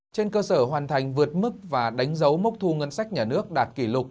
trên cơ sở hoàn thành vượt mức và đánh dấu mốc thu ngân sách nhà nước đạt kỷ lục